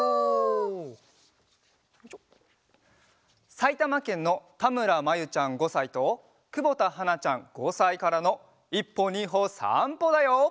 さいたまけんのたむらまゆちゃん５さいとくぼたはなちゃん５さいからの「１歩２歩さんぽ」だよ！